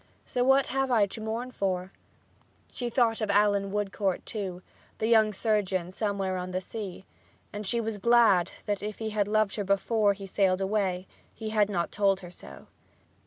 So what have I to mourn for?" She thought of Allan Woodcourt, too, the young surgeon somewhere on the sea, and she was glad that, if he had loved her before he sailed away, he had not told her so.